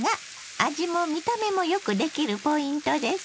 味も見た目もよくできるポイントです。